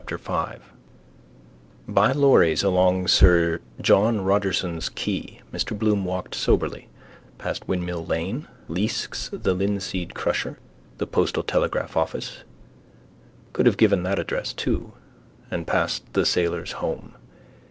[ 5 ] By lorries along sir John Rogerson's quay Mr Bloom walked soberly, past Windmill lane, Leask's the linseed crusher, the postal telegraph office. Could have given that address too. And past the sailors' home.